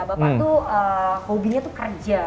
bapak tuh hobinya tuh kerja